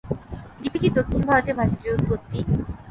লিপিটি দক্ষিণ ভারতে ভাষাটির উৎপত্তি।